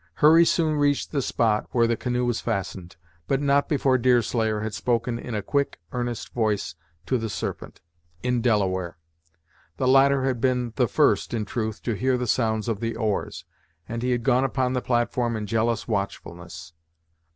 Hurry soon reached the spot where the canoe was fastened, but not before Deerslayer had spoken in a quick, earnest voice to the Serpent, in Delaware. The latter had been the first, in truth, to hear the sounds of the oars, and he had gone upon the platform in jealous watchfulness.